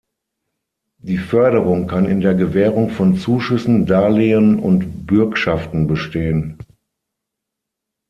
Die Förderung kann in der Gewährung von Zuschüssen, Darlehen und Bürgschaften bestehen.